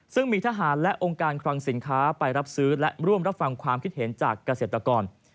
ซึ่งมีทหารและองค์การคลังสินค้าไปรับซื้อและร่วมรับฟังความคิดเห็นจากเกษตรกร